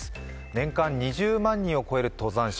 年間２０万人を超える登山者。